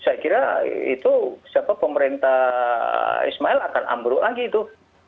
saya kira itu siapa pemerintah ismail akan ambruk lagi itu